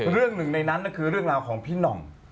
เรื่องหนึ่งในนั้นคือเรื่องราวของพี่หน่อง